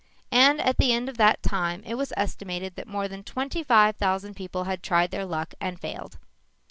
And at the end of that time it was estimated that more than twenty five thousand people had tried their luck and failed.